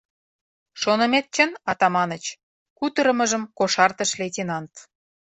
— Шонымет чын, Атаманыч! — кутырымыжым кошартыш лейтенант.